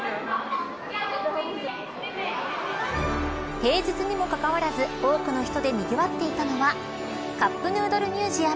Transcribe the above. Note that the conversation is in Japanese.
平日にもかかわらず多くの人でにぎわっていたのがカップヌードルミュージアム